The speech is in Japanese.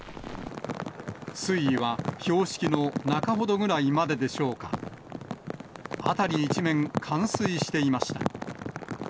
水位は標識の中ほどぐらいまででしょうか、辺り一面、冠水していました。